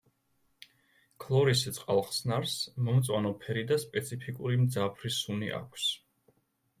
ქლორის წყალხსნარს მომწვანო ფერი და სპეციფიკური მძაფრი სუნი აქვს.